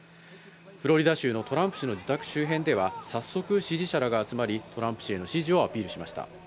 フロリダ州のトランプ氏の自宅周辺では早速、支持者らが集まり、トランプ氏への支持をアピールしました。